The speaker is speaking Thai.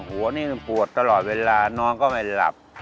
หัวนี่มันปวดตลอดเวลาน้องก็ไม่หลับ